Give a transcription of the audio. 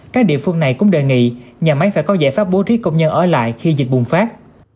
các địa phương này cũng đề nghị nhà máy phải có giải pháp bố trí công nhân ở lại khi dịch bùng phát